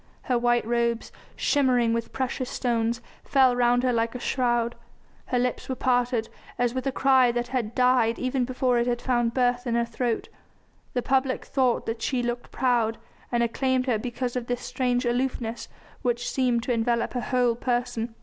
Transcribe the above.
Her white robes, shimmering with precious stones, fell round her like a shroud, her lips were parted as with a cry that had died even before it had found birth in her throat. The public thought that she looked proud, and acclaimed her because of this strange aloofness which seemed to envelop her whole person.